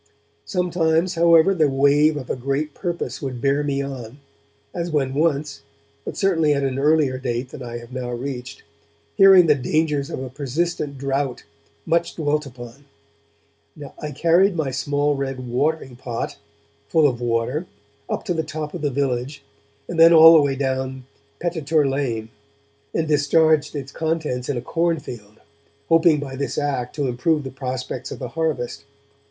Sometimes, however, the wave of a great purpose would bear me on, as when once, but certainly at an earlier date than I have now reached, hearing the dangers of a persistent drought much dwelt upon, I carried my small red watering pot, full of water, up to the top of the village, and then all the way down Petittor Lane, and discharged its contents in a cornfield, hoping by this act to improve the prospects of the harvest.